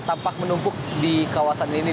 tampak menumpuk di kawasan ini